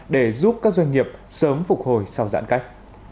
để giúp các doanh nghiệp sớm phục hồi sau giãn cách